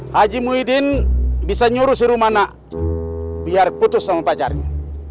haji muhyiddin bisa nyuruh nyuruh mana biar putus sama pacarnya